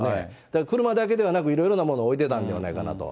だから車だけではなく、いろいろなものを置いてたんではないかなと。